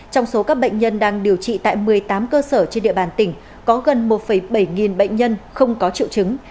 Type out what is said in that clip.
trong số các bệnh nhân đang điều trị tại một mươi tám cơ sở trên địa bàn tỉnh có gần một bảy nghìn bệnh nhân không có triệu chứng